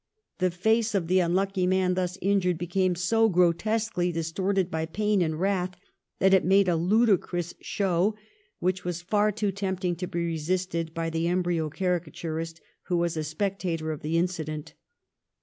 The face of the unlucky man thus injured became so grotesquely distorted by pain and wrath that it made a ludicrous show, which was far too tempting to be resisted by the embryo caricaturist who was a spectator of the incident.